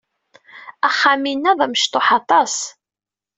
Axxam-inna d amecṭuḥ aṭas.